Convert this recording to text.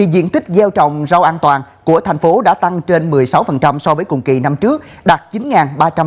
diện tích gieo trồng rau an toàn của thành phố đã tăng trên một mươi sáu so với cùng kỳ năm trước đạt chín ba trăm năm mươi sáu ha